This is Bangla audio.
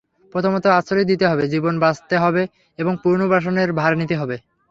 প্রথমত, আশ্রয় দিতে হবে, জীবন বাঁচাতে হবে এবং পুনর্বাসনের ভার নিতে হবে।